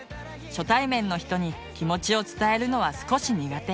初対面の人に気持ちを伝えるのは少し苦手。